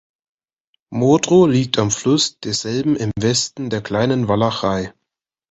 Motru liegt am Fluss desselben im Westen der Kleinen Walachei.